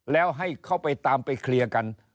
แล้วให้เขาไปตามไปเคลียร์กัน